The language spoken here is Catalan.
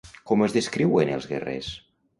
Com es descriuen els guerrers?